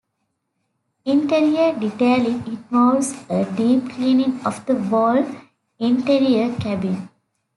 Interior detailing involves a deep cleaning of the whole interior cabin.